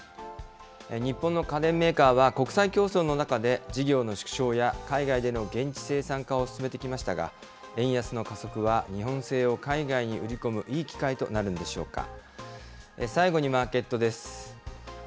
日本の家電メーカーは、国際競争の中で、事業の縮小や海外での現地生産化を進めてきましたが、円安の加速は、日本製を海外に売り込むいい機会となるんでしょうか。